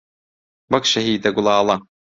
وەک شەهیدە گوڵاڵە